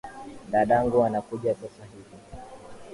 Dadangu anakuja sasa hivi